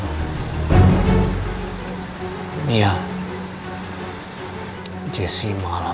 kami sudah tahu jadinya pahlawan